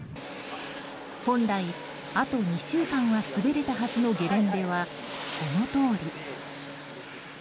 本来、あと２週間は滑れたはずのゲレンデはこのとおり。